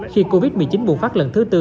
khi covid một mươi chín bùng phát lần thứ tư